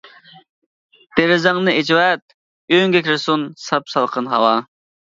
دېرىزەڭنى ئېچىۋەت، ئۆيۈڭگە كىرسۇن ساپ سالقىن ھاۋا.